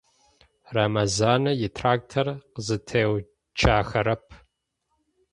Рэмэзанэ итрактор къызэтеуцуахэрэп.